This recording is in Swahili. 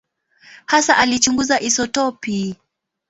Hasa alichunguza isotopi.